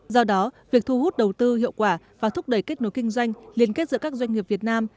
do đó việc thu hút đầu tư hiệu quả và thúc đẩy kết nối kinh doanh liên kết giữa các doanh nghiệp việt nam